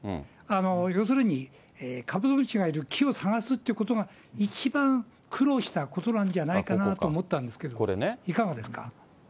要するに、カブトムシがいる木を探すっていうのが、一番苦労したことなんじゃないかと思ったんですけど、いかがですか？